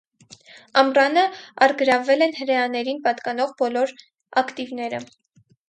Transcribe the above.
Ամռանը առգրավվել են հրեաներին պատկանող բոլո ակտիվները։